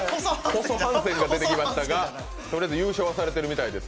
細ハンセンが出てきましたがとりあえず優勝はされてるみたいです。